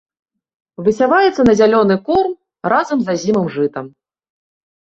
Высяваецца на зялёны корм разам з азімым жытам.